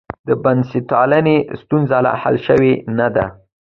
د بنسټپالنې ستونزه لا حل شوې نه ده.